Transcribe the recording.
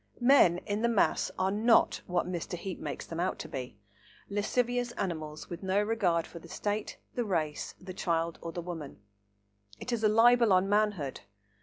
Men in the mass are not what Mr. Heape makes them out to be,—lascivious animals with no regard for the State, the race, the child or the woman; it is a libel on manhood.